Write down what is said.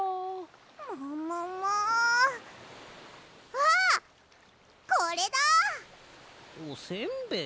あっこれだ！おせんべい？